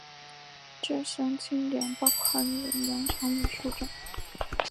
这项庆典包含了两场美术展。